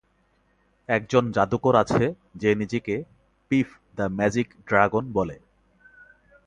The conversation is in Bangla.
একজন জাদুকর আছে যে নিজেকে "পিফ দ্য ম্যাজিক ড্রাগন" বলে।